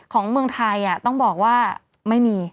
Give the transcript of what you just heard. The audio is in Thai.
ของเมืองไทยต้องบอกว่าไม่มี